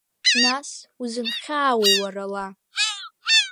Нас узынхьаауеи, уара, ала?